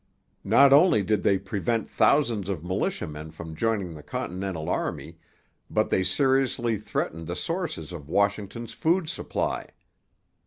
Not only did they prevent thousands of militiamen from joining the Continental army, but they seriously threatened the sources of Washington's food supply.